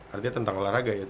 artinya tentang olahraga